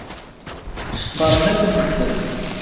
Ceqqṛen akk medden.